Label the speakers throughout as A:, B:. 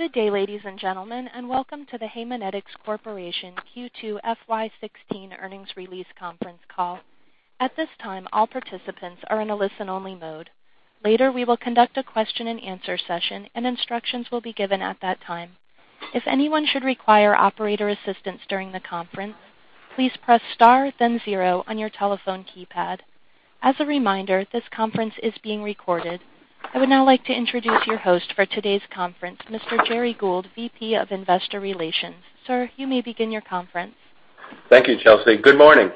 A: Good day, ladies and gentlemen, welcome to the Haemonetics Corporation Q2 FY 2016 Earnings Release Conference Call. At this time, all participants are in a listen-only mode. Later, we will conduct a question-and-answer session, and instructions will be given at that time. If anyone should require operator assistance during the conference, please press star then zero on your telephone keypad. As a reminder, this conference is being recorded. I would now like to introduce your host for today's conference, Mr. Gerry Gould, VP of Investor Relations. Sir, you may begin your conference.
B: Thank you, Chelsea. Good morning.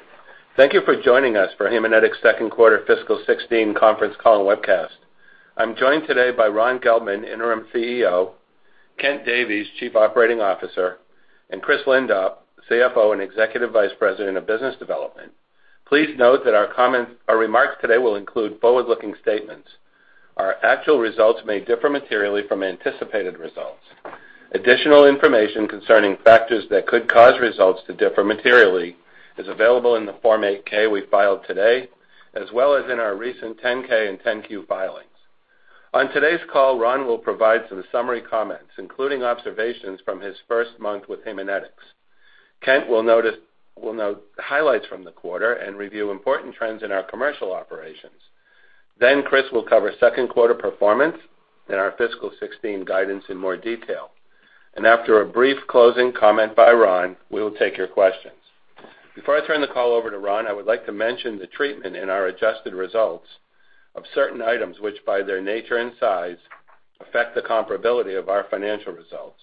B: Thank you for joining us for Haemonetics' second quarter fiscal 2016 conference call and webcast. I'm joined today by Ronald Gelbman, Interim CEO, Kent Davies, Chief Operating Officer, and Christopher Lindop, CFO and Executive Vice President of Business Development. Please note that our remarks today will include forward-looking statements. Our actual results may differ materially from anticipated results. Additional information concerning factors that could cause results to differ materially is available in the Form 8-K we filed today, as well as in our recent 10-K and 10-Q filings. On today's call, Ron will provide some summary comments, including observations from his first month with Haemonetics. Kent will note highlights from the quarter and review important trends in our commercial operations. Chris will cover second quarter performance and our fiscal 2016 guidance in more detail. After a brief closing comment by Ron, we will take your questions. Before I turn the call over to Ron, I would like to mention the treatment in our adjusted results of certain items, which by their nature and size, affect the comparability of our financial results.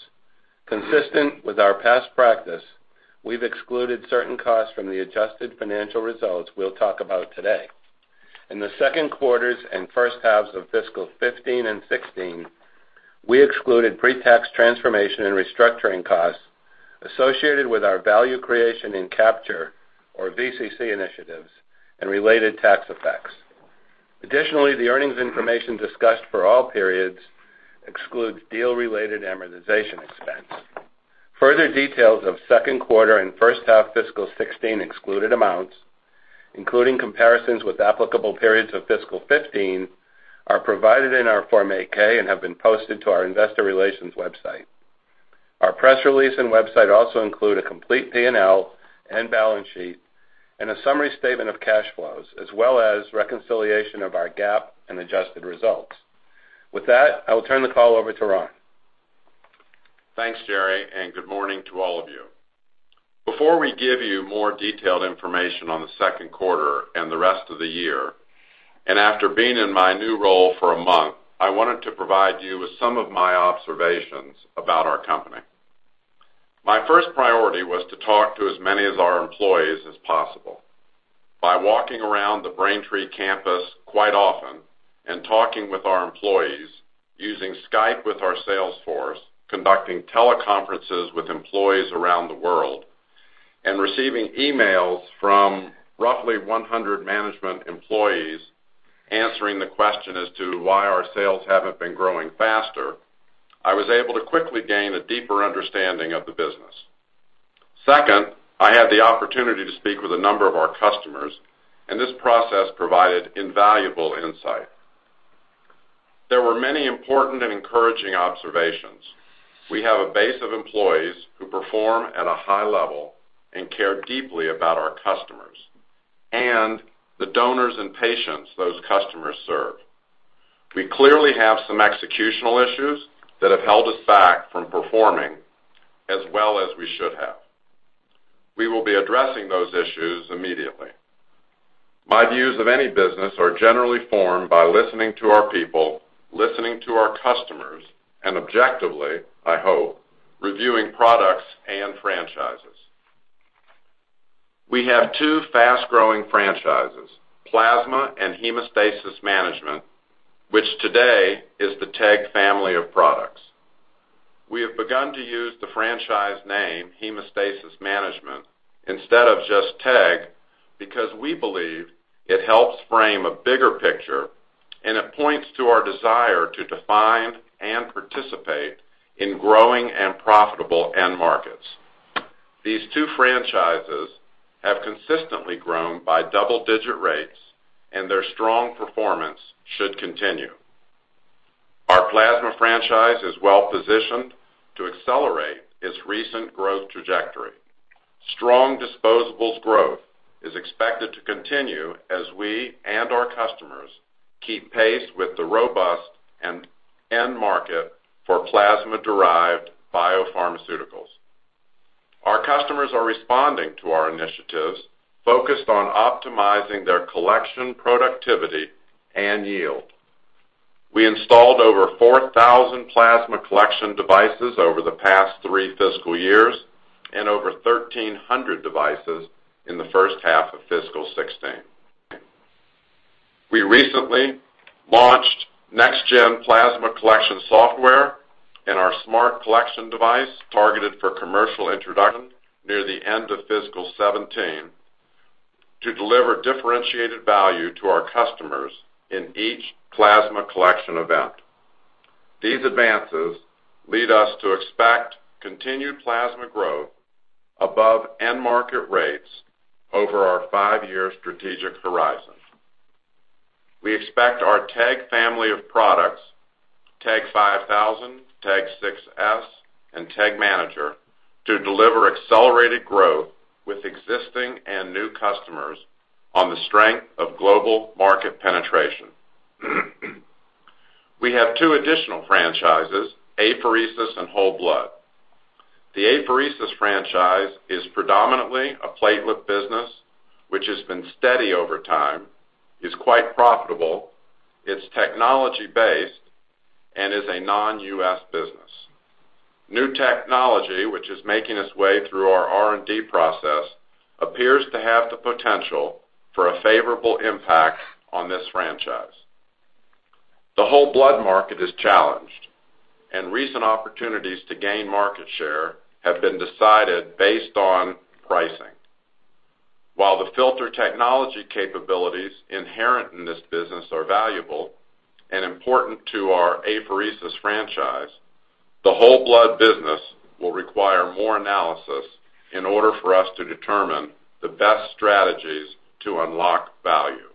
B: Consistent with our past practice, we've excluded certain costs from the adjusted financial results we'll talk about today. In the second quarters and first halves of fiscal 2015 and 2016, we excluded pre-tax transformation and restructuring costs associated with our value creation and capture, or VCC initiatives, and related tax effects. Additionally, the earnings information discussed for all periods excludes deal-related amortization expense. Further details of second quarter and first half fiscal 2016 excluded amounts, including comparisons with applicable periods of fiscal 2015, are provided in our Form 8-K and have been posted to our investor relations website. Our press release and website also include a complete P&L and balance sheet and a summary statement of cash flows, as well as reconciliation of our GAAP and adjusted results. With that, I will turn the call over to Ron.
C: Thanks, Gerry, good morning to all of you. Before we give you more detailed information on the second quarter and the rest of the year, and after being in my new role for a month, I wanted to provide you with some of my observations about our company. My first priority was to talk to as many of our employees as possible by walking around the Braintree campus quite often and talking with our employees, using Skype with our sales force, conducting teleconferences with employees around the world, and receiving emails from roughly 100 management employees answering the question as to why our sales haven't been growing faster, I was able to quickly gain a deeper understanding of the business. Second, I had the opportunity to speak with a number of our customers, and this process provided invaluable insight. There were many important and encouraging observations. We have a base of employees who perform at a high level and care deeply about our customers and the donors and patients those customers serve. We clearly have some executional issues that have held us back from performing as well as we should have. We will be addressing those issues immediately. My views of any business are generally formed by listening to our people, listening to our customers, and objectively, I hope, reviewing products and franchises. We have two fast-growing franchises, plasma and Hemostasis Management, which today is the TEG family of products. We have begun to use the franchise name Hemostasis Management instead of just TEG because we believe it helps frame a bigger picture and it points to our desire to define and participate in growing and profitable end markets. These two franchises have consistently grown by double-digit rates, and their strong performance should continue. Our plasma franchise is well positioned to accelerate its recent growth trajectory. Strong disposables growth is expected to continue as we and our customers keep pace with the robust end market for plasma-derived biopharmaceuticals. Our customers are responding to our initiatives focused on optimizing their collection productivity and yield. We installed over 4,000 plasma collection devices over the past three fiscal years and over 1,300 devices in the first half of fiscal 2016. We recently launched NexSys PCS plasma collection software and our smart collection device targeted for commercial introduction near the end of fiscal 2017 to deliver differentiated value to our customers in each plasma collection event. These advances lead us to expect continued plasma growth above end market rates over our five-year strategic horizon. We expect our TEG family of products, TEG 5000, TEG 6s, and TEG Manager, to deliver accelerated growth with existing and new customers on the strength of global market penetration. We have two additional franchises, apheresis and whole blood. The apheresis franchise is predominantly a platelet business, which has been steady over time, is quite profitable, it's technology-based, and is a non-U.S. business. New technology, which is making its way through our R&D process, appears to have the potential for a favorable impact on this franchise. The whole blood market is challenged, and recent opportunities to gain market share have been decided based on pricing. While the filter technology capabilities inherent in this business are valuable and important to our apheresis franchise, the whole blood business will require more analysis in order for us to determine the best strategies to unlock value.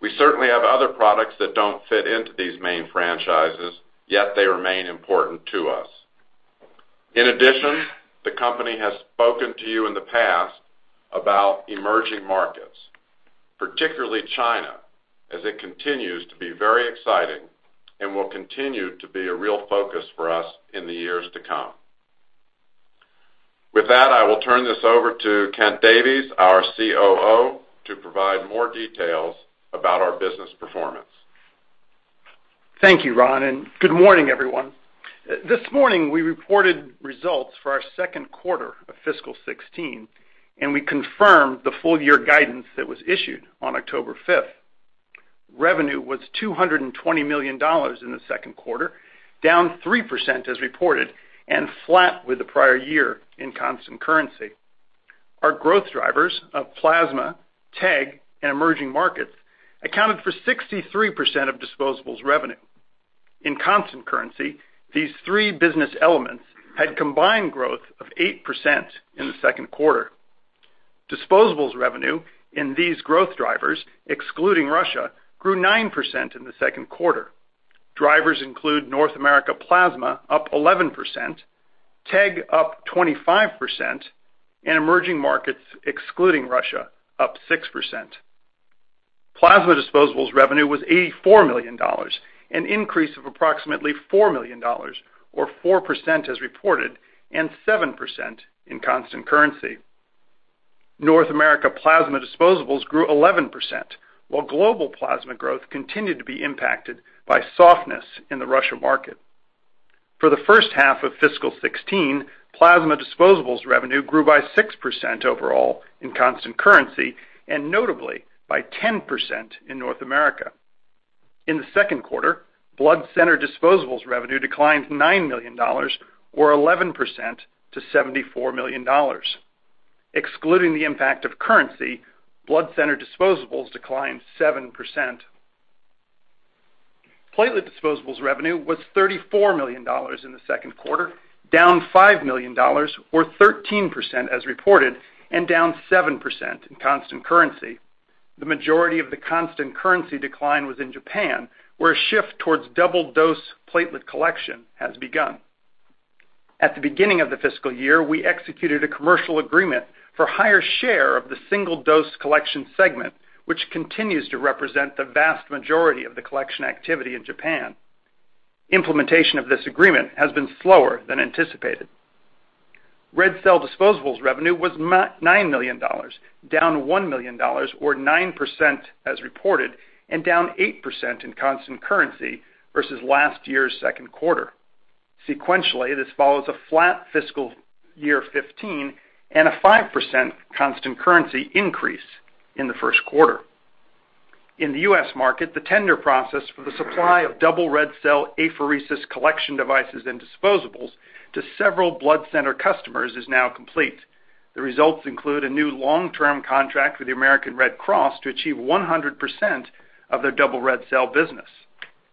C: We certainly have other products that don't fit into these main franchises, yet they remain important to us. In addition, the company has spoken to you in the past about emerging markets, particularly China, as it continues to be very exciting and will continue to be a real focus for us in the years to come. With that, I will turn this over to Kent Davies, our COO, to provide more details about our business performance.
D: Thank you, Ron, and good morning, everyone. This morning, we reported results for our second quarter of fiscal 2016, and we confirmed the full-year guidance that was issued on October 5th. Revenue was $220 million in the second quarter, down 3% as reported and flat with the prior year in constant currency. Our growth drivers of plasma, TEG, and emerging markets accounted for 63% of disposables revenue. In constant currency, these three business elements had combined growth of 8% in the second quarter. Disposables revenue in these growth drivers, excluding Russia, grew 9% in the second quarter. Drivers include North America plasma up 11%, TEG up 25%, and emerging markets, excluding Russia, up 6%. Plasma disposables revenue was $84 million, an increase of approximately $4 million or 4% as reported and 7% in constant currency. North America plasma disposables grew 11%, while global plasma growth continued to be impacted by softness in the Russia market. For the first half of fiscal 2016, plasma disposables revenue grew by 6% overall in constant currency and notably by 10% in North America. In the second quarter, blood center disposables revenue declined $9 million or 11% to $74 million. Excluding the impact of currency, blood center disposables declined 7%. Platelet disposables revenue was $34 million in the second quarter, down $5 million or 13% as reported and down 7% in constant currency. The majority of the constant currency decline was in Japan, where a shift towards double-dose platelet collection has begun. At the beginning of the fiscal year, we executed a commercial agreement for higher share of the single-dose collection segment, which continues to represent the vast majority of the collection activity in Japan. Implementation of this agreement has been slower than anticipated. Red cell disposables revenue was $9 million, down $1 million or 9% as reported and down 8% in constant currency versus last year's second quarter. Sequentially, this follows a flat fiscal year 2015 and a 5% constant currency increase in the first quarter. In the U.S. market, the tender process for the supply of double red cell apheresis collection devices and disposables to several blood center customers is now complete. The results include a new long-term contract with the American Red Cross to achieve 100% of their double red cell business.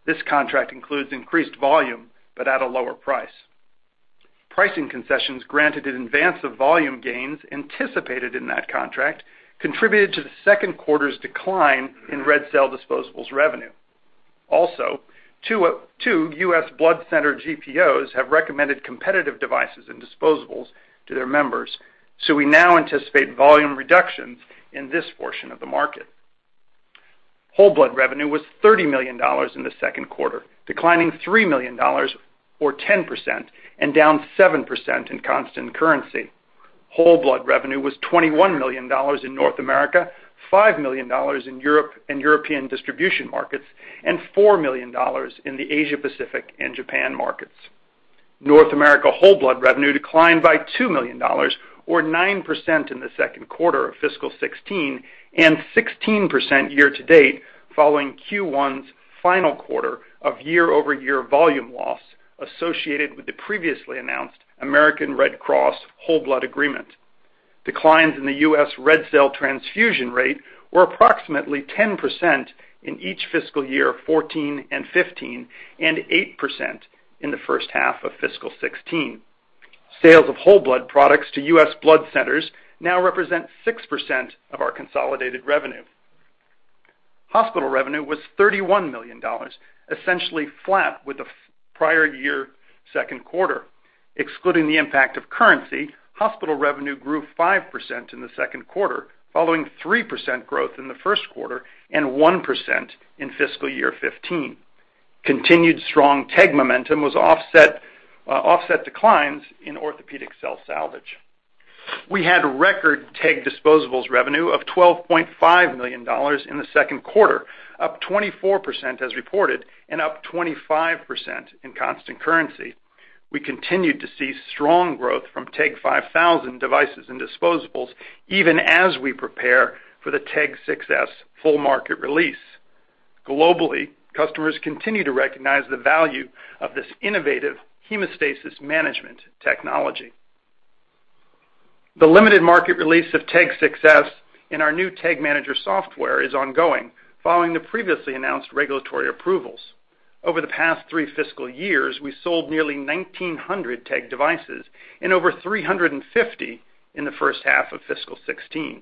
D: This contract includes increased volume, but at a lower price. Pricing concessions granted in advance of volume gains anticipated in that contract contributed to the second quarter's decline in red cell disposables revenue. U.S. blood center GPOs have recommended competitive devices and disposables to their members, we now anticipate volume reductions in this portion of the market. Whole blood revenue was $30 million in the second quarter, declining $3 million or 10% and down 7% in constant currency. Whole blood revenue was $21 million in North America, $5 million in European distribution markets, and $4 million in the Asia-Pacific and Japan markets. North America whole blood revenue declined by $2 million or 9% in the second quarter of fiscal 2016 and 16% year-to-date following Q1's final quarter of year-over-year volume loss associated with the previously announced American Red Cross whole blood agreement. Declines in the U.S. red cell transfusion rate were approximately 10% in each fiscal year 2014 and 2015 and 8% in the first half of fiscal 2016. Sales of whole blood products to U.S. blood centers now represent 6% of our consolidated revenue. Hospital revenue was $31 million, essentially flat with the prior year second quarter. Excluding the impact of currency, hospital revenue grew 5% in the second quarter, following 3% growth in the first quarter and 1% in fiscal year 2015. Continued strong TEG momentum was offset declines in orthopedic cell salvage. We had record TEG disposables revenue of $12.5 million in the second quarter, up 24% as reported and up 25% in constant currency. We continued to see strong growth from TEG 5000 devices and disposables, even as we prepare for the TEG 6s full market release. Globally, customers continue to recognize the value of this innovative Hemostasis Management technology. The limited market release of TEG 6s and our new TEG Manager software is ongoing following the previously announced regulatory approvals. Over the past three fiscal years, we sold nearly 1,900 TEG devices and over 350 in the first half of fiscal 2016.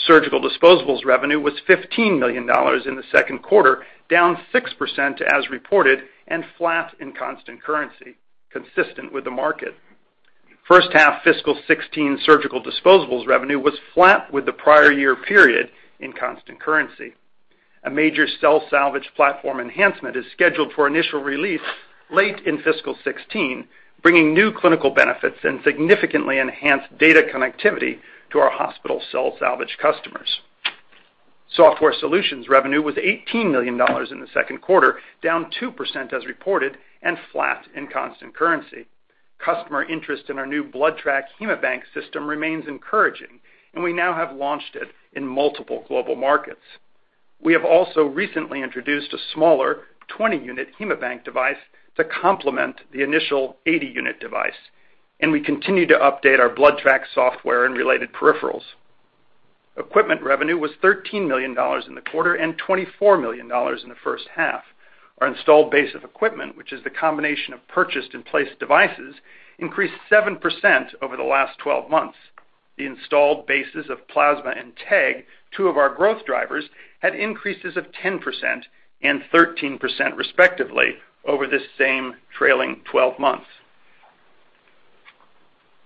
D: Surgical disposables revenue was $15 million in the second quarter, down 6% as reported and flat in constant currency, consistent with the market. First half fiscal 2016 surgical disposables revenue was flat with the prior year period in constant currency. A major cell salvage platform enhancement is scheduled for initial release late in fiscal 2016, bringing new clinical benefits and significantly enhanced data connectivity to our hospital cell salvage customers. Software solutions revenue was $18 million in the second quarter, down 2% as reported and flat in constant currency. Customer interest in our new BloodTrack HaemoBank system remains encouraging, we now have launched it in multiple global markets. We have also recently introduced a smaller 20-unit HaemoBank device to complement the initial 80-unit device, we continue to update our BloodTrack software and related peripherals. Equipment revenue was $13 million in the quarter and $24 million in the first half. Our installed base of equipment, which is the combination of purchased and placed devices, increased 7% over the last 12 months. The installed bases of plasma and TEG, two of our growth drivers, had increases of 10% and 13%, respectively, over this same trailing 12 months.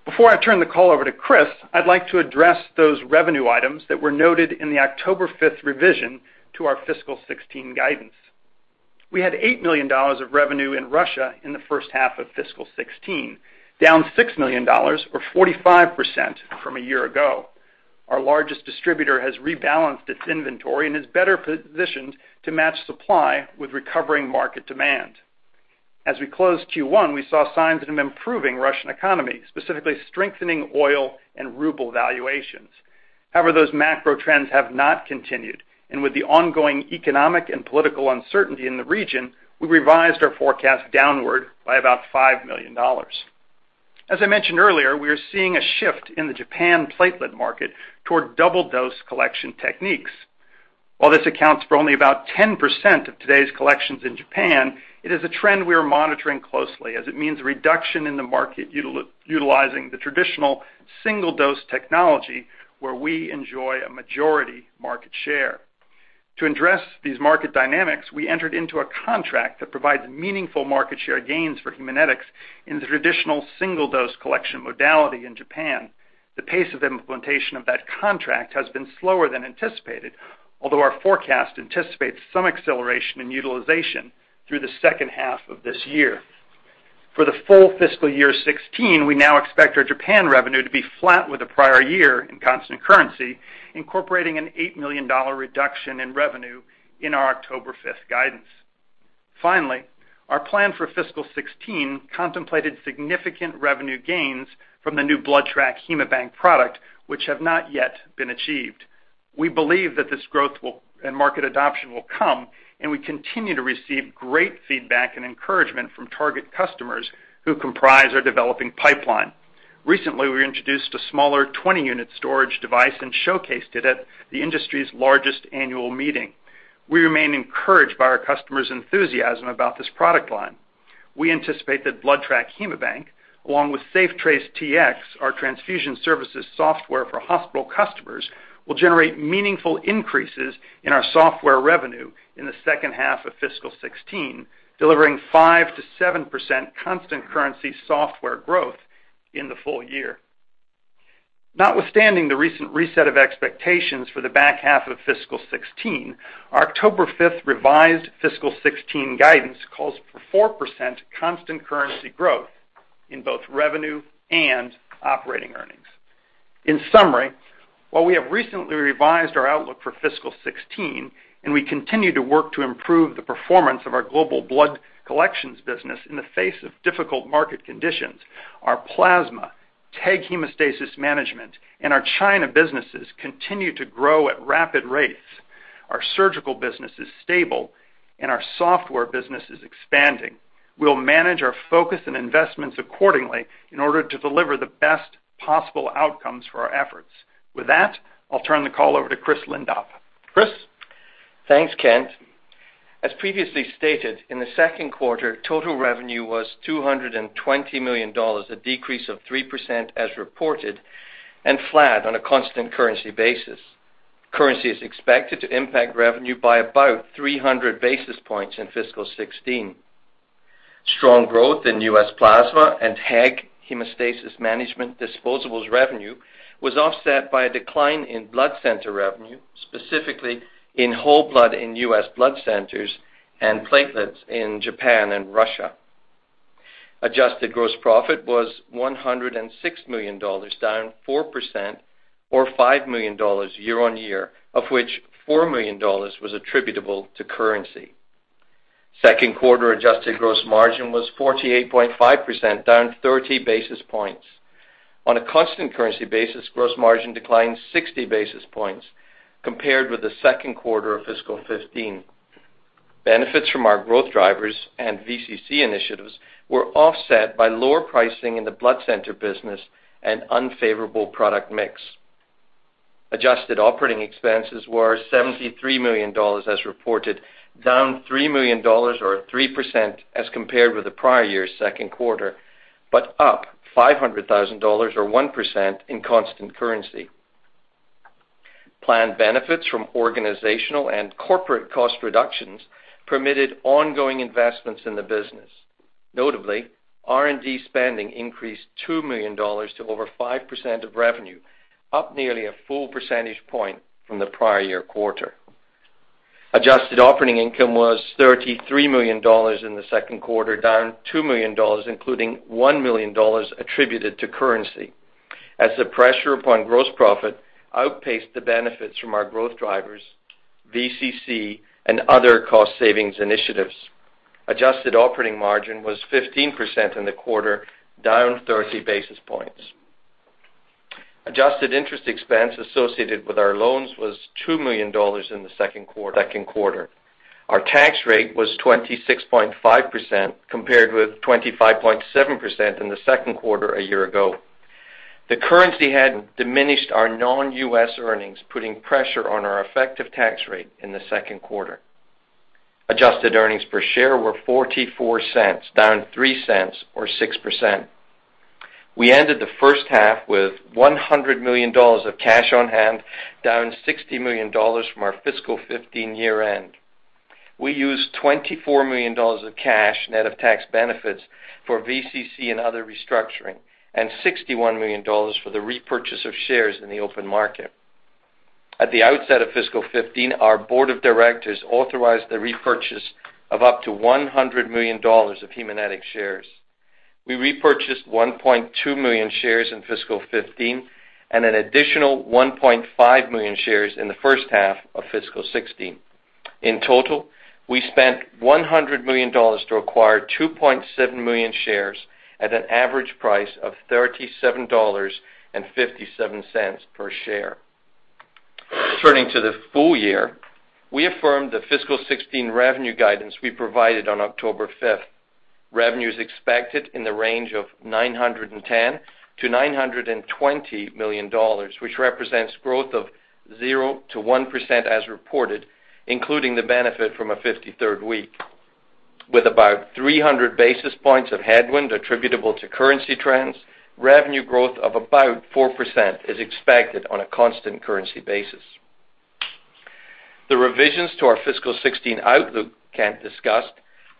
D: Before I turn the call over to Chris, I'd like to address those revenue items that were noted in the October 5th revision to our fiscal 2016 guidance. We had $8 million of revenue in Russia in the first half of fiscal 2016, down $6 million or 45% from a year ago. Our largest distributor has rebalanced its inventory and is better positioned to match supply with recovering market demand. As we closed Q1, we saw signs of an improving Russian economy, specifically strengthening oil and ruble valuations. However, those macro trends have not continued, and with the ongoing economic and political uncertainty in the region, we revised our forecast downward by about $5 million. As I mentioned earlier, we are seeing a shift in the Japan platelet market toward double-dose collection techniques. While this accounts for only about 10% of today's collections in Japan, it is a trend we are monitoring closely, as it means a reduction in the market utilizing the traditional single-dose technology where we enjoy a majority market share. To address these market dynamics, we entered into a contract that provides meaningful market share gains for Haemonetics in the traditional single-dose collection modality in Japan. The pace of implementation of that contract has been slower than anticipated, although our forecast anticipates some acceleration in utilization through the second half of this year. For the full fiscal year 2016, we now expect our Japan revenue to be flat with the prior year in constant currency, incorporating an $8 million reduction in revenue in our October 5th guidance. Finally, our plan for fiscal 2016 contemplated significant revenue gains from the new BloodTrack HaemoBank product, which have not yet been achieved. We believe that this growth and market adoption will come, and we continue to receive great feedback and encouragement from target customers who comprise our developing pipeline. Recently, we introduced a smaller 20-unit storage device and showcased it at the industry's largest annual meeting. We remain encouraged by our customers' enthusiasm about this product line. We anticipate that BloodTrack HaemoBank, along with SafeTrace Tx, our transfusion services software for hospital customers, will generate meaningful increases in our software revenue in the second half of fiscal 2016, delivering 5%-7% constant currency software growth in the full year. Notwithstanding the recent reset of expectations for the back half of fiscal 2016, our October 5th revised fiscal 2016 guidance calls for 4% constant currency growth in both revenue and operating earnings. In summary, while we have recently revised our outlook for fiscal 2016, and we continue to work to improve the performance of our global blood collections business in the face of difficult market conditions, our plasma, TEG Hemostasis Management, and our China businesses continue to grow at rapid rates. Our surgical business is stable and our software business is expanding. We'll manage our focus and investments accordingly in order to deliver the best possible outcomes for our efforts. With that, I'll turn the call over to Christopher Lindop. Chris?
E: Thanks, Kent. As previously stated, in the second quarter, total revenue was $220 million, a decrease of 3% as reported, and flat on a constant currency basis. Currency is expected to impact revenue by about 300 basis points in fiscal 2016. Strong growth in U.S. plasma and TEG Hemostasis Management disposables revenue was offset by a decline in blood center revenue, specifically in whole blood in U.S. blood centers and platelets in Japan and Russia. Adjusted gross profit was $106 million, down 4% or $5 million year-on-year, of which $4 million was attributable to currency. Second quarter adjusted gross margin was 48.5%, down 30 basis points. On a constant currency basis, gross margin declined 60 basis points compared with the second quarter of fiscal 2015. Benefits from our growth drivers and VCC initiatives were offset by lower pricing in the blood center business and unfavorable product mix. Adjusted operating expenses were $73 million as reported, down $3 million or 3% as compared with the prior year's second quarter, but up $500,000 or 1% in constant currency. Planned benefits from organizational and corporate cost reductions permitted ongoing investments in the business. Notably, R&D spending increased $2 million to over 5% of revenue, up nearly a full percentage point from the prior year quarter. Adjusted operating income was $33 million in the second quarter, down $2 million, including $1 million attributed to currency, as the pressure upon gross profit outpaced the benefits from our growth drivers, VCC and other cost savings initiatives. Adjusted operating margin was 15% in the quarter, down 30 basis points. Adjusted interest expense associated with our loans was $2 million in the second quarter. Our tax rate was 26.5%, compared with 25.7% in the second quarter a year ago. The currency had diminished our non-U.S. earnings, putting pressure on our effective tax rate in the second quarter. Adjusted earnings per share were $0.44, down $0.03 or 6%. We ended the first half with $100 million of cash on hand, down $60 million from our fiscal 2015 year-end. We used $24 million of cash, net of tax benefits for VCC and other restructuring, and $61 million for the repurchase of shares in the open market. At the outset of fiscal 2015, our board of directors authorized the repurchase of up to $100 million of Haemonetics shares. We repurchased 1.2 million shares in fiscal 2015 and an additional 1.5 million shares in the first half of fiscal 2016. In total, we spent $100 million to acquire 2.7 million shares at an average price of $37.57 per share. Turning to the full year, we affirmed the fiscal 2016 revenue guidance we provided on October 5th. Revenue is expected in the range of $910 million-$920 million, which represents growth of 0%-1% as reported, including the benefit from a 53rd week. With about 300 basis points of headwind attributable to currency trends, revenue growth of about 4% is expected on a constant currency basis. The revisions to our fiscal 2016 outlook Kent discussed,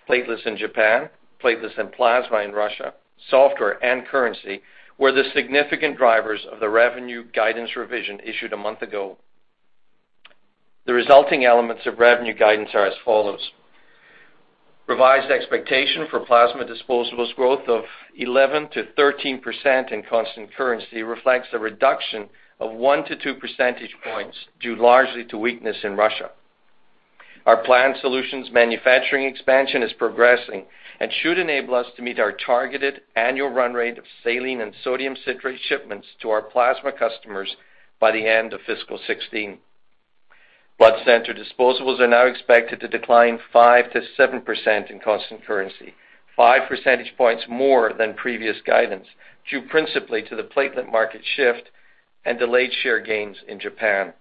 E: platelets in Japan, platelets and plasma in Russia, software and currency were the significant drivers of the revenue guidance revision issued a month ago. The resulting elements of revenue guidance are as follows. Revised expectation for plasma disposables growth of 11%-13% in constant currency reflects a reduction of one to two percentage points, due largely to weakness in Russia. Our planned solutions manufacturing expansion is progressing and should enable us to meet our targeted annual run rate of saline and sodium citrate shipments to our plasma customers by the end of fiscal 2016. Blood center disposables are now expected to decline 5%-7% in constant currency, five percentage points more than previous guidance, due principally to the platelet market shift and delayed share gains in Japan.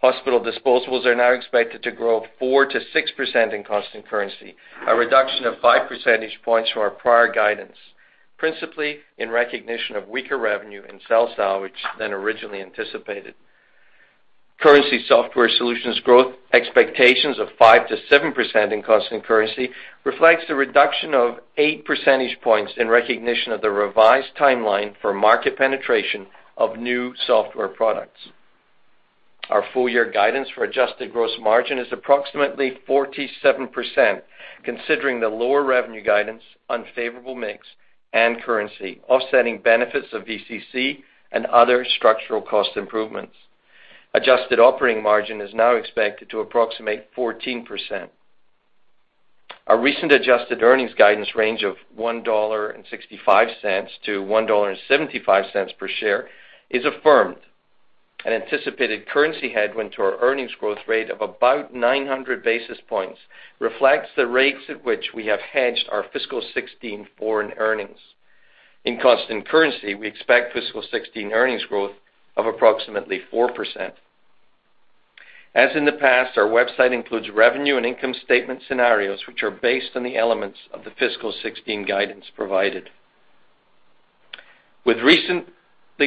E: Hospital disposables are now expected to grow 4%-6% in constant currency, a reduction of five percentage points from our prior guidance, principally in recognition of weaker revenue and cell salvage than originally anticipated. Currency software solutions growth expectations of 5%-7% in constant currency reflects the reduction of eight percentage points in recognition of the revised timeline for market penetration of new software products. Our full year guidance for adjusted gross margin is approximately 47%, considering the lower revenue guidance, unfavorable mix and currency, offsetting benefits of VCC and other structural cost improvements. Adjusted operating margin is now expected to approximate 14%. Our recent adjusted earnings guidance range of $1.65-$1.75 per share is affirmed. An anticipated currency headwind to our earnings growth rate of about 900 basis points reflects the rates at which we have hedged our fiscal 2016 foreign earnings. In constant currency, we expect fiscal 2016 earnings growth of approximately 4%. As in the past, our website includes revenue and income statement scenarios, which are based on the elements of the fiscal 2016 guidance provided. With recently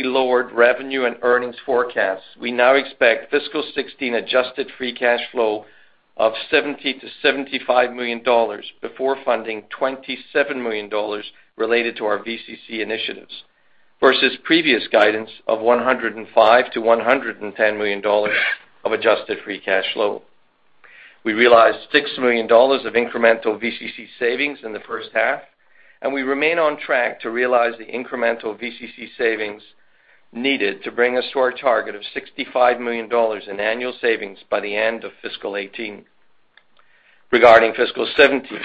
E: lowered revenue and earnings forecasts, we now expect fiscal 2016 adjusted free cash flow of $70 million-$75 million before funding $27 million related to our VCC initiatives, versus previous guidance of $105 million-$110 million of adjusted free cash flow. We realized $6 million of incremental VCC savings in the first half, and we remain on track to realize the incremental VCC savings needed to bring us to our target of $65 million in annual savings by the end of fiscal 2018. Regarding fiscal 2017,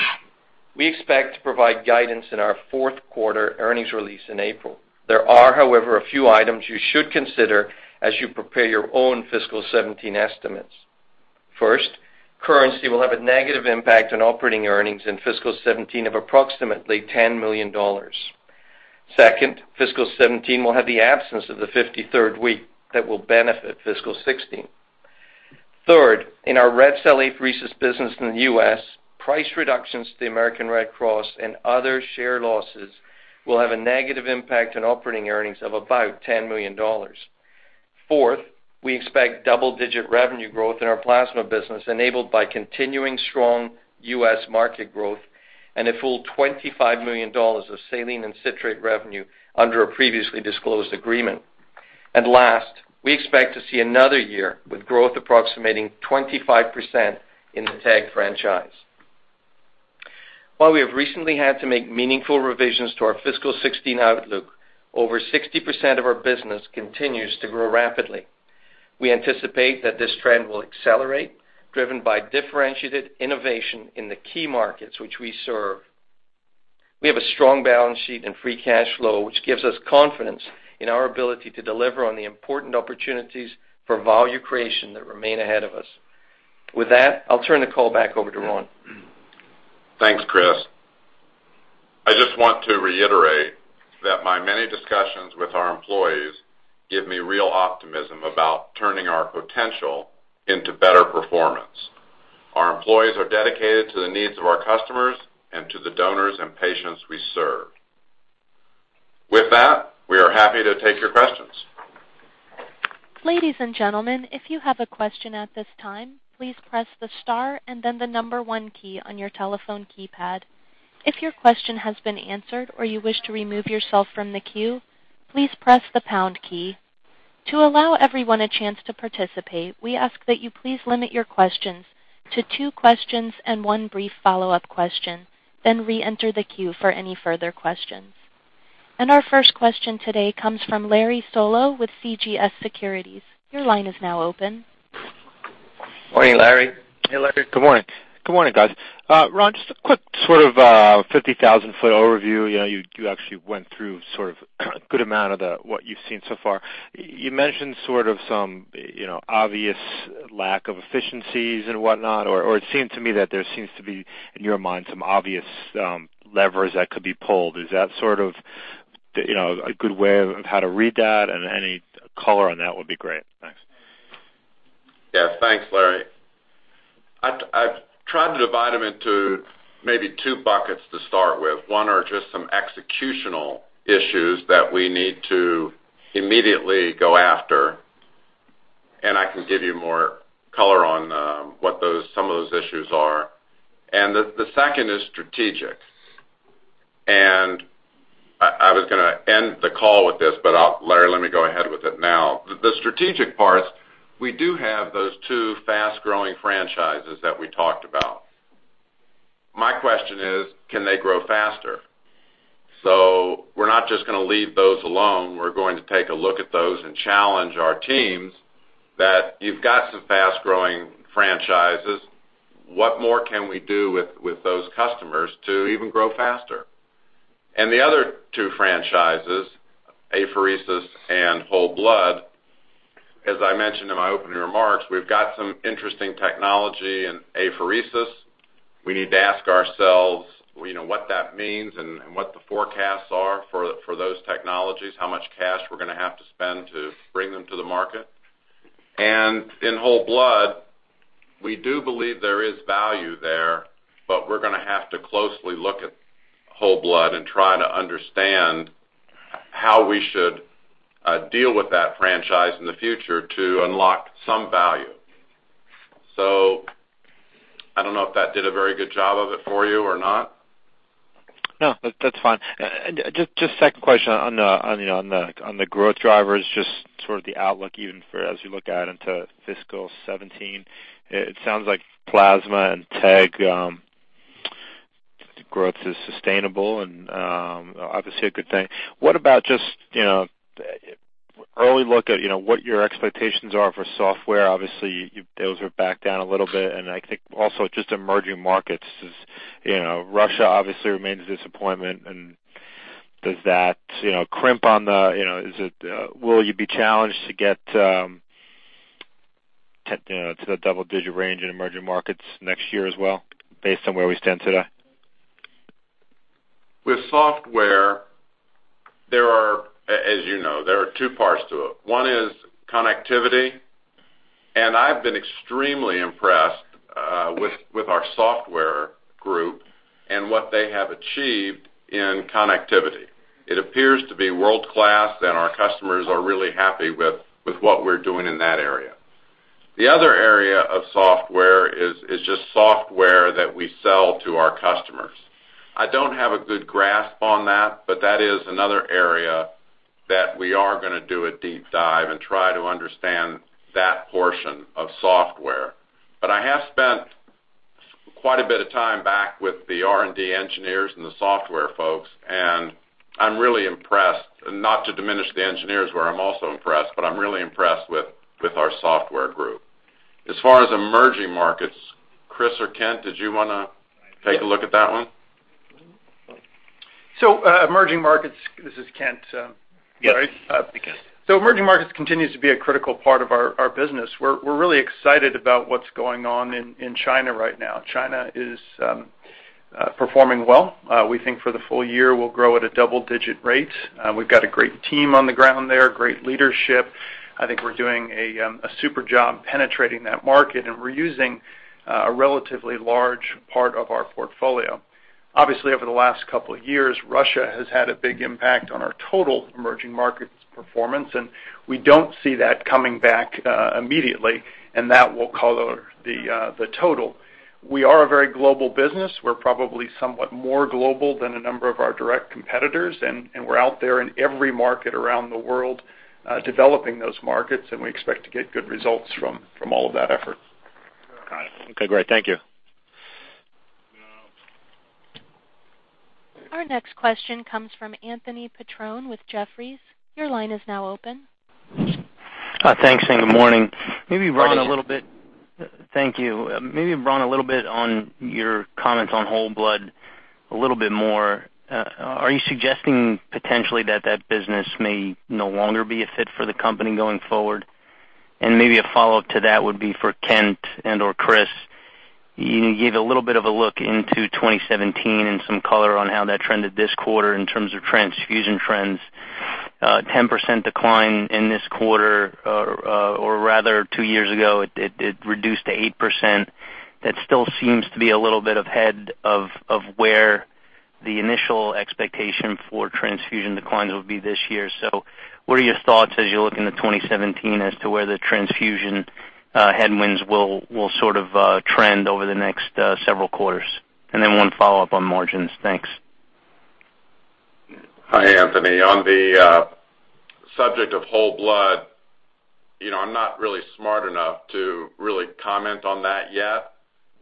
E: we expect to provide guidance in our fourth quarter earnings release in April. There are, however, a few items you should consider as you prepare your own fiscal 2017 estimates. First, currency will have a negative impact on operating earnings in fiscal 2017 of approximately $10 million. Second, fiscal 2017 will have the absence of the 53rd week that will benefit fiscal 2016. Third, in our red cell apheresis business in the U.S., price reductions to the American Red Cross and other share losses will have a negative impact on operating earnings of about $10 million. Fourth, we expect double-digit revenue growth in our plasma business, enabled by continuing strong U.S. market growth and a full $25 million of saline and citrate revenue under a previously disclosed agreement. Last, we expect to see another year with growth approximating 25% in the TEG franchise. While we have recently had to make meaningful revisions to our fiscal 2016 outlook, over 60% of our business continues to grow rapidly. We anticipate that this trend will accelerate, driven by differentiated innovation in the key markets which we serve. We have a strong balance sheet and free cash flow, which gives us confidence in our ability to deliver on the important opportunities for value creation that remain ahead of us. With that, I'll turn the call back over to Ron.
C: Thanks, Chris. I just want to reiterate that my many discussions with our employees give me real optimism about turning our potential into better performance. Our employees are dedicated to the needs of our customers and to the donors and patients we serve. With that, we are happy to take your questions.
A: Ladies and gentlemen, if you have a question at this time, please press the star and then the number 1 key on your telephone keypad. If your question has been answered or you wish to remove yourself from the queue, please press the pound key. To allow everyone a chance to participate, we ask that you please limit your questions to two questions and one brief follow-up question, then reenter the queue for any further questions. Our first question today comes from Larry Solow with CJS Securities. Your line is now open.
C: Morning, Larry.
E: Hey, Larry. Good morning.
F: Good morning, guys. Ron, just a quick sort of 50,000-foot overview. You actually went through sort of a good amount of what you've seen so far. You mentioned sort of some obvious lack of efficiencies and whatnot, or it seemed to me that there seems to be, in your mind, some obvious levers that could be pulled. Is that sort of a good way of how to read that? Any color on that would be great. Thanks.
C: Yeah. Thanks, Larry. I've tried to divide them into maybe two buckets to start with. One are just some executional issues that we need to immediately go after, I can give you more color on what some of those issues are. The second is strategic. I was going to end the call with this, Larry, let me go ahead with it now. The strategic part, we do have those two fast-growing franchises that we talked about. My question is, can they grow faster? We're not just going to leave those alone. We're going to take a look at those and challenge our teams that you've got some fast-growing franchises. What more can we do with those customers to even grow faster? The other two franchises, apheresis and whole blood, as I mentioned in my opening remarks, we've got some interesting technology in apheresis. We need to ask ourselves, what that means and what the forecasts are for those technologies, how much cash we're going to have to spend to bring them to the market. In whole blood, we do believe there is value there, we're going to have to closely look at whole blood and try to understand how we should deal with that franchise in the future to unlock some value. I don't know if that did a very good job of it for you or not.
F: No, that's fine. Just a second question on the growth drivers, just sort of the outlook even for as you look out into FY 2017. It sounds like plasma and TEG growth is sustainable and obviously a good thing. What about just early look at what your expectations are for software? Obviously, those are back down a little bit, and I think also just emerging markets. Russia obviously remains a disappointment. Will you be challenged to get to the double-digit range in emerging markets next year as well, based on where we stand today?
C: With software, as you know, there are two parts to it. One is connectivity. I've been extremely impressed with our software group and what they have achieved in connectivity. It appears to be world-class. Our customers are really happy with what we're doing in that area. The other area of software is just software that we sell to our customers. I don't have a good grasp on that. That is another area that we are going to do a deep dive and try to understand that portion of software. I have spent quite a bit of time back with the R&D engineers and the software folks, and I'm really impressed, not to diminish the engineers, where I'm also impressed, but I'm really impressed with our software group. As far as emerging markets, Chris or Kent, did you want to take a look at that one?
D: Emerging markets. This is Kent.
C: Yes, hey, Kent.
D: Emerging markets continues to be a critical part of our business. We're really excited about what's going on in China right now. China is performing well. We think for the full year, we'll grow at a double-digit rate. We've got a great team on the ground there, great leadership. I think we're doing a super job penetrating that market, and we're using a relatively large part of our portfolio. Obviously, over the last couple of years, Russia has had a big impact on our total emerging markets performance, and we don't see that coming back immediately, and that will color the total. We are a very global business. We're probably somewhat more global than a number of our direct competitors, and we're out there in every market around the world developing those markets, and we expect to get good results from all of that effort.
F: Got it. Okay, great. Thank you.
A: Our next question comes from Anthony Petrone with Jefferies. Your line is now open.
G: Thanks. Good morning. Thank you. Maybe, Ron, a little bit on your comments on whole blood a little bit more. Are you suggesting potentially that that business may no longer be a fit for the company going forward? And maybe a follow-up to that would be for Kent and/or Chris. You gave a little bit of a look into 2017 and some color on how that trended this quarter in terms of transfusion trends. A 10% decline in this quarter, or rather, two years ago, it reduced to 8%. That still seems to be a little bit ahead of where the initial expectation for transfusion declines will be this year. What are your thoughts as you look into 2017 as to where the transfusion headwinds will sort of trend over the next several quarters? And then one follow-up on margins. Thanks.
C: Hi, Anthony. On the subject of whole blood, I'm not really smart enough to really comment on that yet.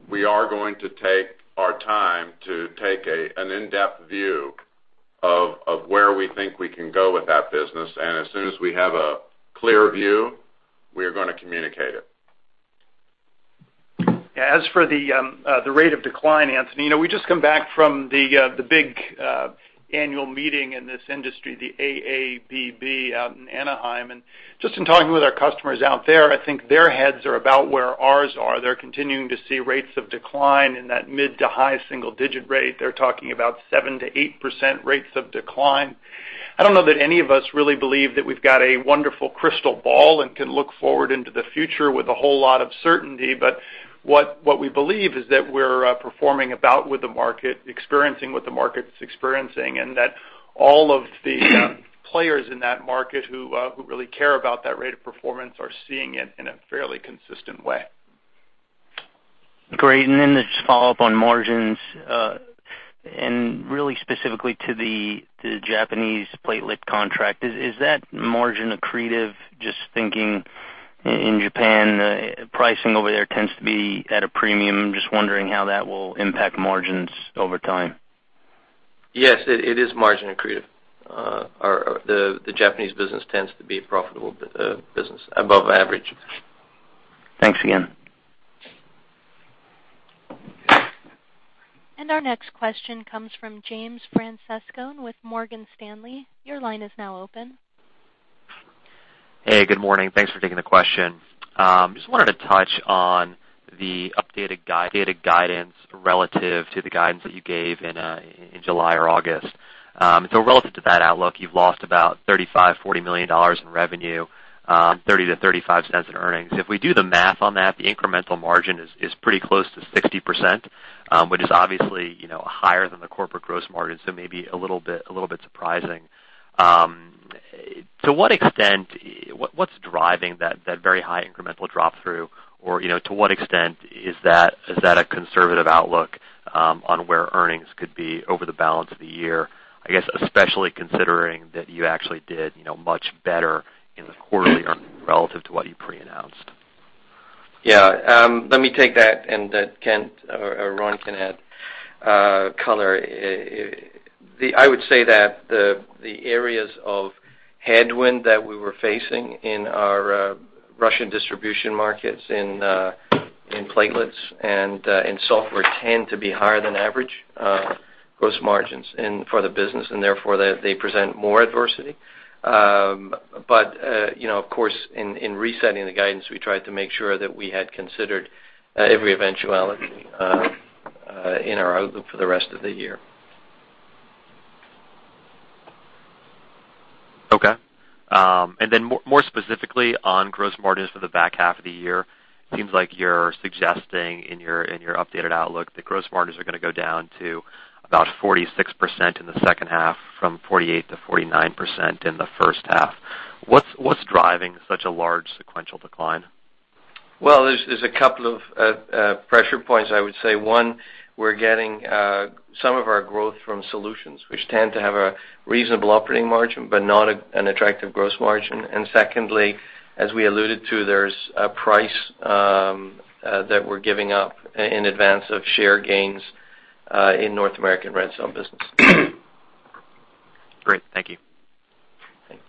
C: We are going to take our time to take an in-depth view of where we think we can go with that business. As soon as we have a clear view, we are going to communicate it.
D: As for the rate of decline, Anthony, we just come back from the big annual meeting in this industry, the AABB out in Anaheim. Just in talking with our customers out there, I think their heads are about where ours are. They're continuing to see rates of decline in that mid to high single-digit rate. They're talking about 7%-8% rates of decline. I don't know that any of us really believe that we've got a wonderful crystal ball and can look forward into the future with a whole lot of certainty. What we believe is that we're performing about with the market, experiencing what the market's experiencing, and that all of the players in that market who really care about that rate of performance are seeing it in a fairly consistent way.
G: Great. Just follow up on margins, and really specifically to the Japanese platelet contract. Is that margin accretive? Just thinking in Japan, pricing over there tends to be at a premium. I'm just wondering how that will impact margins over time.
C: Yes, it is margin accretive. The Japanese business tends to be a profitable business, above average.
G: Thanks again.
A: Our next question comes from James Francescone with Morgan Stanley. Your line is now open.
H: Hey, good morning. Thanks for taking the question. Just wanted to touch on the updated guidance relative to the guidance that you gave in July or August. Relative to that outlook, you've lost about $35, $40 million in revenue, $0.30 to $0.35 in earnings. If we do the math on that, the incremental margin is pretty close to 60%, which is obviously higher than the corporate gross margin, so maybe a little bit surprising. What's driving that very high incremental drop through? To what extent is that a conservative outlook on where earnings could be over the balance of the year, I guess, especially considering that you actually did much better in the quarterly earnings relative to what you pre-announced?
E: Yeah. Let me take that, and then Kent or Ron can add color. I would say that the areas of headwind that we were facing in our Russian distribution markets in platelets and software tend to be higher than average gross margins for the business, and therefore, they present more adversity. Of course, in resetting the guidance, we tried to make sure that we had considered every eventuality in our outlook for the rest of the year.
H: Okay. Then more specifically on gross margins for the back half of the year, it seems like you're suggesting in your updated outlook that gross margins are going to go down to about 46% in the second half from 48%-49% in the first half. What's driving such a large sequential decline?
E: Well, there's a couple of pressure points, I would say. One, we're getting some of our growth from solutions, which tend to have a reasonable operating margin, but not an attractive gross margin. Secondly, as we alluded to, there's a price that we're giving up in advance of share gains in North American red cell business.
H: Great. Thank you.
E: Thanks.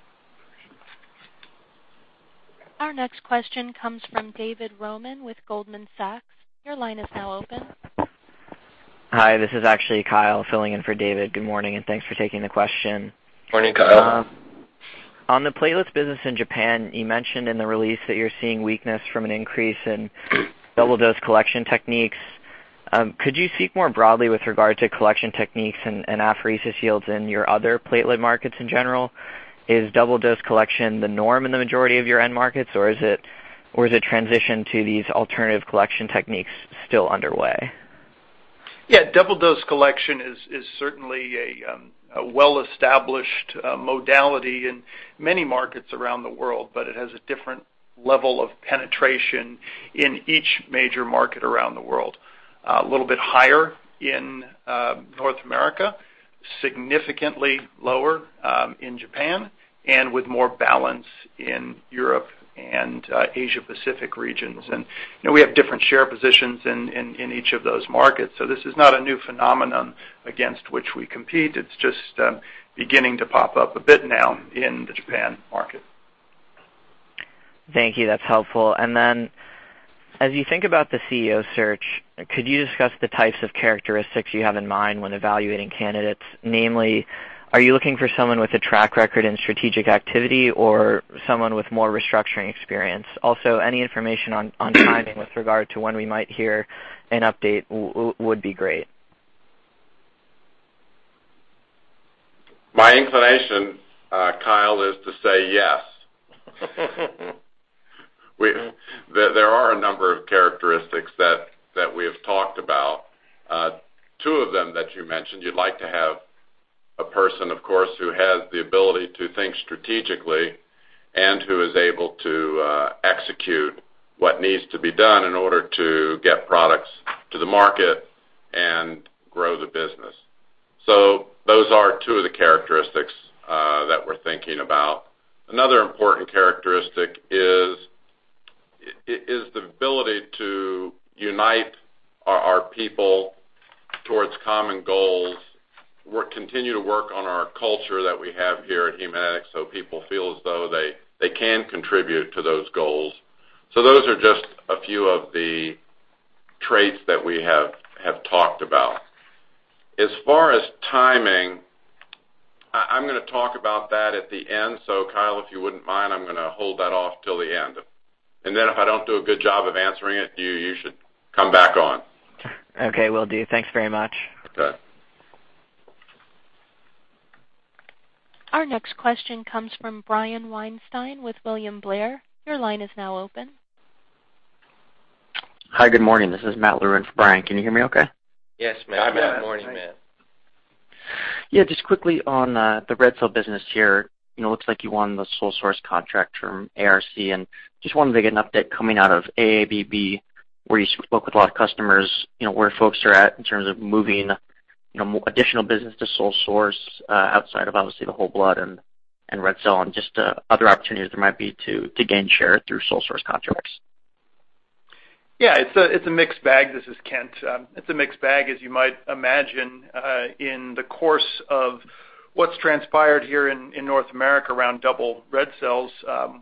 A: Our next question comes from David Roman with Goldman Sachs. Your line is now open.
I: Hi, this is actually Kyle filling in for David. Good morning, and thanks for taking the question.
C: Morning, Kyle.
I: On the platelets business in Japan, you mentioned in the release that you're seeing weakness from an increase in double dose collection techniques. Could you speak more broadly with regard to collection techniques and apheresis yields in your other platelet markets in general? Is double dose collection the norm in the majority of your end markets, or is the transition to these alternative collection techniques still underway?
D: Yeah. Double dose collection is certainly a well-established modality in many markets around the world, but it has a different level of penetration in each major market around the world. A little bit higher in North America, significantly lower in Japan, and with more balance in Europe and Asia Pacific regions. We have different share positions in each of those markets. This is not a new phenomenon against which we compete. It's just beginning to pop up a bit now in the Japan market.
I: Thank you. That's helpful. As you think about the CEO search, could you discuss the types of characteristics you have in mind when evaluating candidates? Namely, are you looking for someone with a track record in strategic activity or someone with more restructuring experience? Also, any information on timing with regard to when we might hear an update would be great.
C: My inclination, Kyle, is to say yes. There are a number of characteristics that we have talked about. Two of them that you mentioned, you'd like to have a person, of course, who has the ability to think strategically and who is able to execute what needs to be done in order to get products to the market and grow the business. Those are two of the characteristics that we're thinking about. Another important characteristic is the ability to unite our people towards common goals. We'll continue to work on our culture that we have here at Haemonetics so people feel as though they can contribute to those goals. Those are just a few of the traits that we have talked about. As far as timing, I'm going to talk about that at the end. Kyle, if you wouldn't mind, I'm going to hold that off till the end. If I don't do a good job of answering it, you should come back on.
I: Okay, will do. Thanks very much.
C: Okay.
A: Our next question comes from Brian Weinstein with William Blair. Your line is now open.
J: Hi, good morning. This is Matt Larew for Brian. Can you hear me okay?
C: Yes, Matt. Good morning, Matt.
J: Yeah, just quickly on the red cell business here, it looks like you won the sole source contract from ARC, and just wanted to get an update coming out of AABB, where you spoke with a lot of customers, where folks are at in terms of moving additional business to sole source outside of obviously the whole blood and red cell and just other opportunities there might be to gain share through sole source contracts.
D: Yeah, it's a mixed bag. This is Kent. It's a mixed bag, as you might imagine in the course of what's transpired here in North America around double red cells.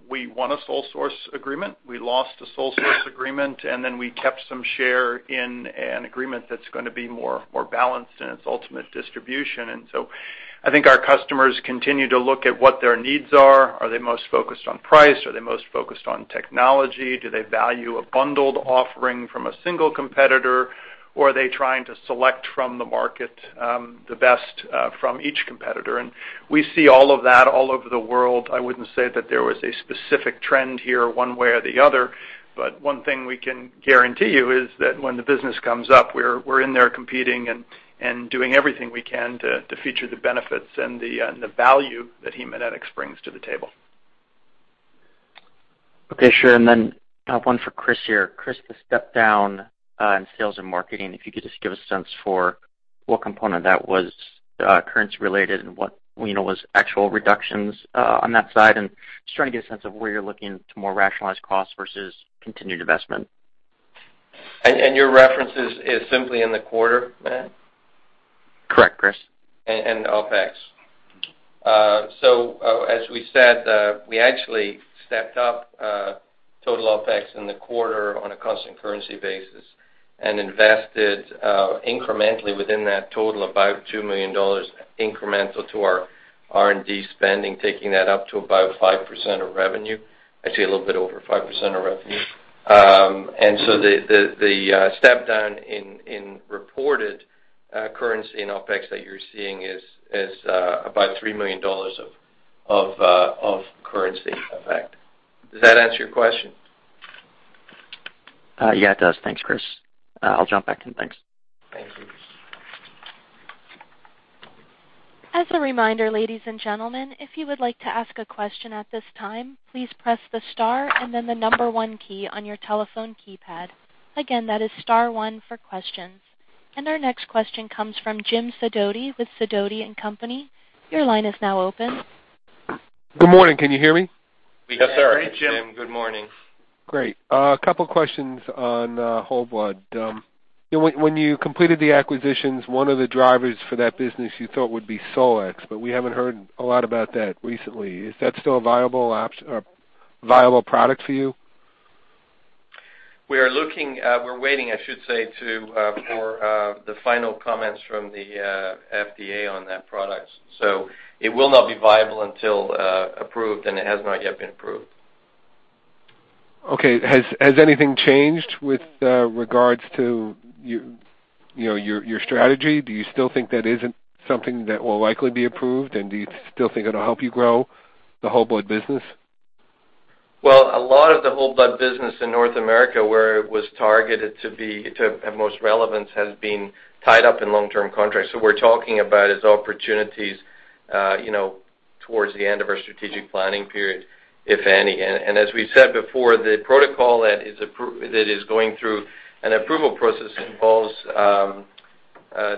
D: We won a sole source agreement, we lost a sole source agreement, then we kept some share in an agreement that's going to be more balanced in its ultimate distribution. So I think our customers continue to look at what their needs are. Are they most focused on price? Are they most focused on technology? Do they value a bundled offering from a single competitor, or are they trying to select from the market the best from each competitor? We see all of that all over the world. I wouldn't say that there was a specific trend here one way or the other, one thing we can guarantee you is that when the business comes up, we're in there competing and doing everything we can to feature the benefits and the value that Haemonetics brings to the table.
J: Okay, sure. Then one for Chris here. Chris, the step down in sales and marketing, if you could just give a sense for what component that was currency related and what was actual reductions on that side, just trying to get a sense of where you're looking to more rationalize costs versus continued investment.
E: Your reference is simply in the quarter, Matt?
J: Correct, Chris.
E: As we said, we actually stepped up total OpEx in the quarter on a constant currency basis and invested incrementally within that total about $2 million incremental to our R&D spending, taking that up to about 5% of revenue. Actually, a little bit over 5% of revenue. The step down in reported currency in OpEx that you're seeing is about $3 million of currency effect. Does that answer your question?
J: Yeah, it does. Thanks, Chris. I'll jump back in. Thanks.
E: Thank you.
A: As a reminder, ladies and gentlemen, if you would like to ask a question at this time, please press the star and then the number one key on your telephone keypad. Again, that is star one for questions. Our next question comes from Jim Sidoti with Sidoti & Company. Your line is now open.
K: Good morning. Can you hear me?
C: Yes, sir. Hey, Jim. Good morning.
K: Great. A couple questions on whole blood. When you completed the acquisitions, one of the drivers for that business you thought would be SOLX, but we haven't heard a lot about that recently. Is that still a viable option or viable product for you?
C: We're waiting, I should say, for the final comments from the FDA on that product. It will not be viable until approved, and it has not yet been approved.
K: Okay. Has anything changed with regards to your strategy? Do you still think that isn't something that will likely be approved, and do you still think it'll help you grow the whole blood business?
C: Well, a lot of the whole blood business in North America, where it was targeted to have the most relevance, has been tied up in long-term contracts. What we're talking about is opportunities towards the end of our strategic planning period, if any. As we said before, the protocol that is going through an approval process involves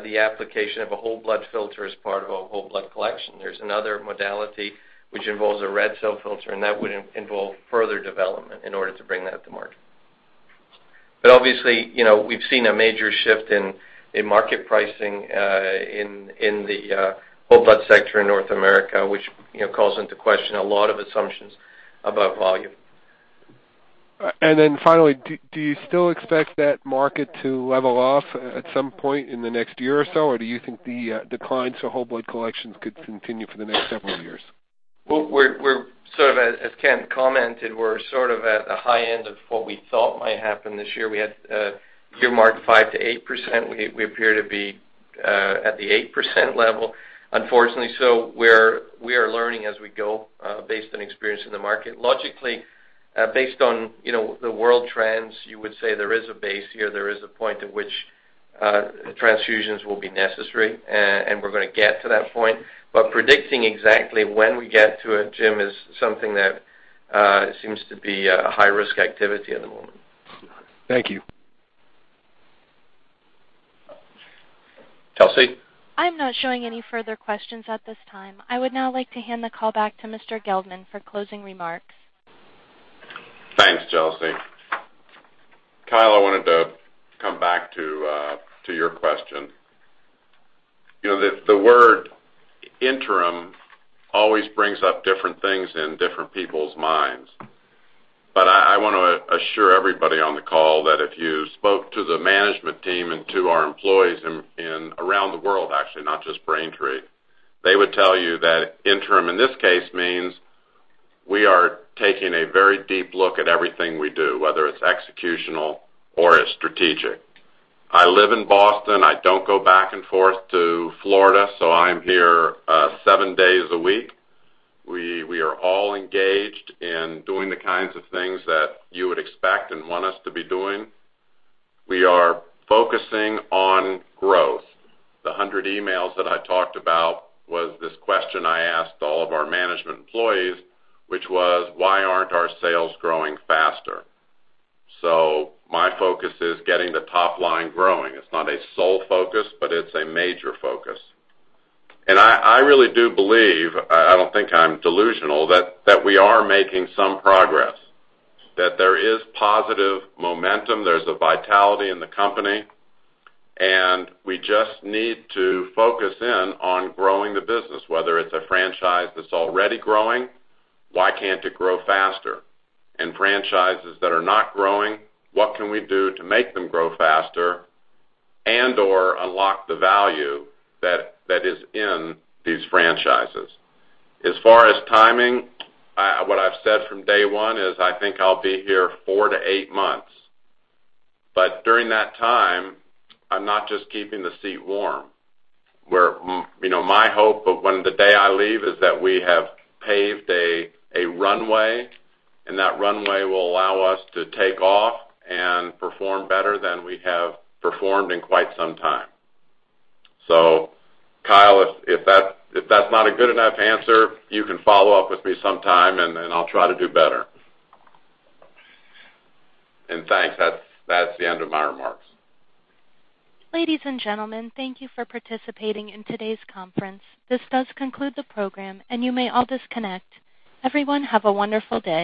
C: the application of a whole blood filter as part of a whole blood collection. There's another modality which involves a red cell filter, and that would involve further development in order to bring that to market. Obviously, we've seen a major shift in market pricing in the whole blood sector in North America, which calls into question a lot of assumptions about volume.
K: Finally, do you still expect that market to level off at some point in the next year or so? Do you think the declines to whole blood collections could continue for the next several years?
C: Well, as Kent commented, we're sort of at the high end of what we thought might happen this year. We had earmarked 5%-8%. We appear to be at the 8% level, unfortunately. We are learning as we go based on experience in the market. Logically, based on the world trends, you would say there is a base here. There is a point at which transfusions will be necessary, and we're going to get to that point. Predicting exactly when we get to it, Jim, is something that seems to be a high-risk activity at the moment.
K: Thank you.
C: Chelsea?
A: I'm not showing any further questions at this time. I would now like to hand the call back to Mr. Gelbman for closing remarks.
C: Thanks, Chelsea. Kyle, I wanted to come back to your question. The word interim always brings up different things in different people's minds. I want to assure everybody on the call that if you spoke to the management team and to our employees around the world, actually, not just Braintree, they would tell you that interim in this case means we are taking a very deep look at everything we do, whether it's executional or it's strategic. I live in Boston. I don't go back and forth to Florida, so I'm here seven days a week. We are all engaged in doing the kinds of things that you would expect and want us to be doing. We are focusing on growth. The 100 emails that I talked about was this question I asked all of our management employees, which was, "Why aren't our sales growing faster?" My focus is getting the top line growing. It's not a sole focus, but it's a major focus. I really do believe, I don't think I'm delusional, that we are making some progress, that there is positive momentum, there's a vitality in the company, and we just need to focus in on growing the business, whether it's a franchise that's already growing, why can't it grow faster? Franchises that are not growing, what can we do to make them grow faster and/or unlock the value that is in these franchises? As far as timing, what I've said from day one is I think I'll be here four to eight months. During that time, I'm not just keeping the seat warm. My hope of when the day I leave is that we have paved a runway, and that runway will allow us to take off and perform better than we have performed in quite some time. Kyle, if that's not a good enough answer, you can follow up with me sometime, and I'll try to do better. Thanks. That's the end of my remarks.
A: Ladies and gentlemen, thank you for participating in today's conference. This does conclude the program, and you may all disconnect. Everyone, have a wonderful day.